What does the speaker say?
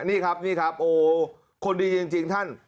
นี่ครับนี่ครับโอ้คนดีจริงท่าน